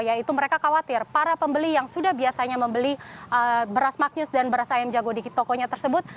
yaitu mereka khawatir para pembeli yang sudah biasanya membeli beras maknyus dan beras ayam jago di tokonya tersebut